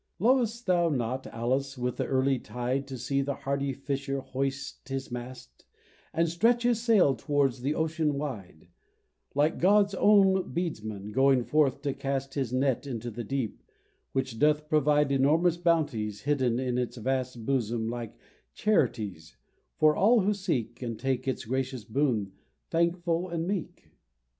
Lov'st thou not, Alice, with the early tide To see the hardy Fisher hoist his mast, And stretch his sail towards the ocean wide, Like God's own beadsman going forth to cast His net into the deep, which doth provide Enormous bounties, hidden in its vast Bosom like Charity's, for all who seek And take its gracious boon thankful and meek?